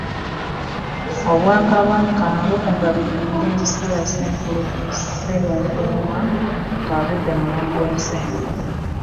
Obwakabaka bukungubagidde omugenzi Sarah Sserunkuuma wyavudde mu bulamu bw'ensi